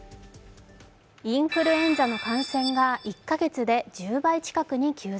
インフルエンザの感染が１か月で１０倍以上に急増。